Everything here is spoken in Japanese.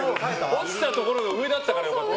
落ちたところが上だったから良かった。